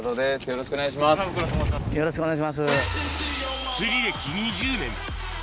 よろしくお願いします。